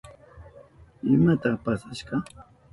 ¿Imata pasashka?